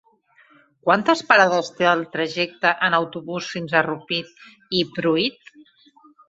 Quantes parades té el trajecte en autobús fins a Rupit i Pruit?